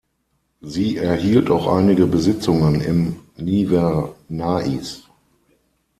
Sie erhielt auch einige Besitzungen im Nivernais.